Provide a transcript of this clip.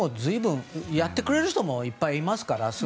やってくれる人もいっぱいいますから。